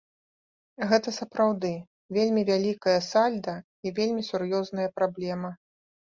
Гэта сапраўды вельмі вялікае сальда і вельмі сур'ёзная праблема.